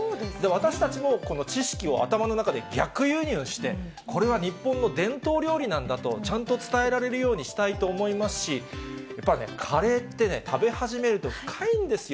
私たちも知識を頭の中で逆輸入して、これは日本の伝統料理なんだと、ちゃんと伝えられるようにしたいと思いますし、やっぱりね、カレーってね、食べ始めると深いんですよ。